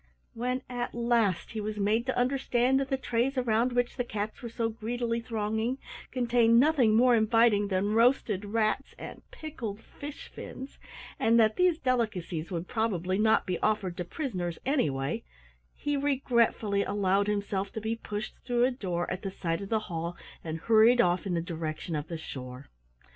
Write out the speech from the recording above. When at last he was made to understand that the trays around which the cats were so greedily thronging contained nothing more inviting than roasted rats and pickled fish fins, and that these delicacies would probably not be offered to prisoners anyway, he regretfully allowed himself to be pushed through a door at the side of the hall and hurried off in the direction of the shore.